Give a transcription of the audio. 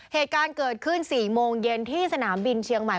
เหตุการณ์เกิดขึ้น๔โมงเย็นที่สนามบินเชียงใหม่